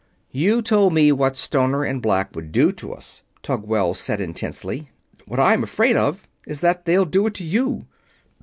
"You told me what Stoner and Black would do to us," Tugwell said, intensely. "What I'm afraid of is that they'll do it to you."